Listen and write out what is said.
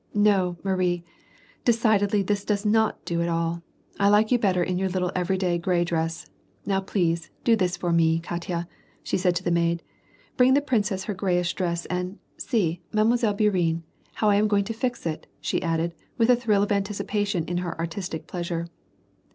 " No, Marie, decidedly, this does not do at all. I like you better in your little, everyday, gray dress. Now, please do this for me. * Katya," she said to the maid, bring the princess her grayish dress, and — see, ^Ille. liourienne, how I am going to fix it," she added, with a thrill of anticipation iu her artistic pleasure.